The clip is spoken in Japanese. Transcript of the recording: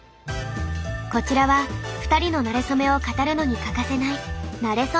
こちらは２人のなれそめを語るのに欠かせない「なれそメモ」。